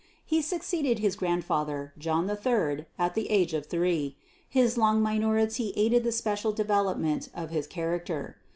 He succeeded his grandfather, John III, at the age of three. His long minority aided the special development of his character.